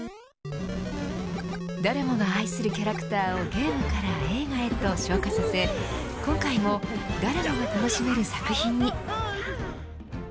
誰もが愛するキャラクターをゲームから映画へと昇華させ今回も誰もが楽しめる作品に。